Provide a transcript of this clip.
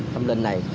thâm linh này